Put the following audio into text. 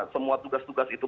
semua tugas tugas itu